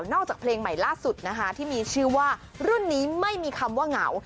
จากเพลงใหม่ล่าสุดนะคะที่มีชื่อว่ารุ่นนี้ไม่มีคำว่าเหงา